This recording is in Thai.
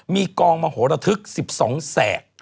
มีกองมโหระทึก๑๒แสก